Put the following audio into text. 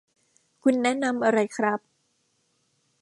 คุณแนะนำอะไรครับ